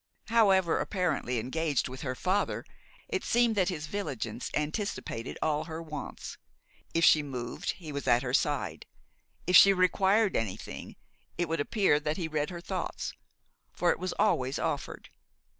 However apparently engaged with her father, it seemed that his vigilance anticipated all her wants. If she moved, he was at her side; if she required anything, it would appear that he read her thoughts, for it was always offered.